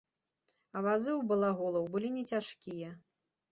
А вазы ў балаголаў былі не цяжкія.